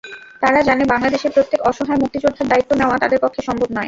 তারা জানে, বাংলাদেশের প্রত্যেক অসহায় মুক্তিযোদ্ধার দায়িত্ব নেওয়া তাদের পক্ষে সম্ভব নয়।